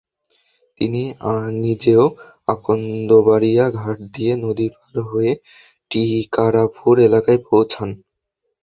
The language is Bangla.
তিনি নিজেও আকন্দবারিয়া ঘাট দিয়ে নদী পার হয়ে টিকারামপুর এলাকায় পৌঁছান।